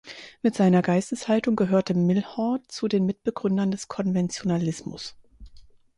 Mit seiner Geisteshaltung gehörte Milhaud zu den Mitbegründern des Konventionalismus.